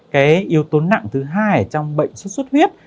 cái yếu tố nặng thứ hai trong bệnh số suất huyết